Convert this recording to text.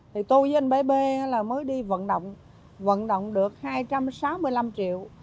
thì tôi với anh bái b mới đi vận động vận động được hai trăm sáu mươi năm triệu